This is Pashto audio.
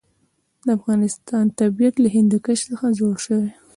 د افغانستان طبیعت له هندوکش څخه جوړ شوی دی.